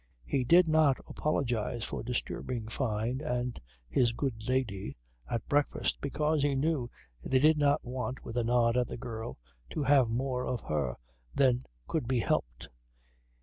He did not apologize for disturbing Fyne and his "good lady" at breakfast, because he knew they did not want (with a nod at the girl) to have more of her than could be helped.